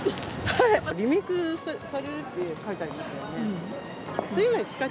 リメークされるって書いてありますよね。